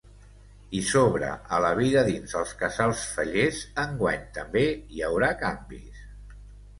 I sobre a la vida dins els casals fallers, enguany també hi haurà canvis.